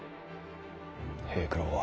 平九郎は？